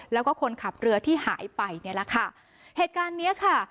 แล้วก็คนขับเรือที่หายไปเนี่ยแหละค่ะเหตุการณ์เนี้ยค่ะ